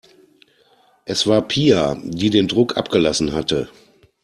Es war Pia, die den Druck abgelassen hatte.